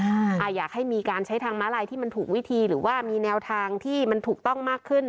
อ่าอยากให้มีการใช้ทางม้าลายที่มันถูกวิธีหรือว่ามีแนวทางที่มันถูกต้องมากขึ้น